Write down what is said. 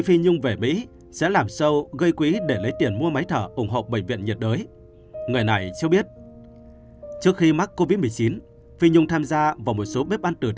phí nhung là một trong những ca sĩ rất đắt sâu